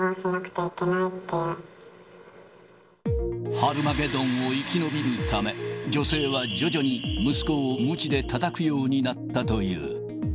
ハルマゲドンを生き延びるため、女性は徐々に息子をむちでたたくようになったという。